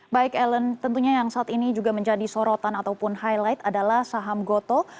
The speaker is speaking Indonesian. baik ellen tentunya yang saat ini juga menjadi sorotan ataupun highlight adalah saham gotoh